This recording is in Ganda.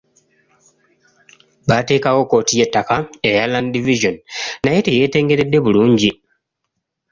Baateekawo kkooti y’ettaka eya Land Division naye teyeetengeredde bulungi.